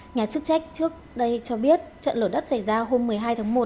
nhà chức trách trước đây cho biết trận lở đất xảy ra hôm một mươi hai tháng một